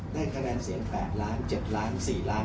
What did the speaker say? แรงการแสน๗ล้าน๔ล้าน๕ล้าน